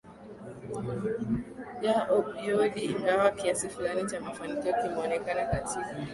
ya opioidi ingawa kiasi fulani cha mafanikio kimeonekana katika